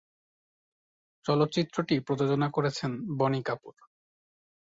চলচ্চিত্রটি প্রযোজনা করেছেন বনি কাপুর।